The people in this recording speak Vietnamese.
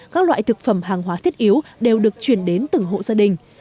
các loại thực phẩm hàng hóa thiết yếu đều được chuyển đến từng hộ gia đình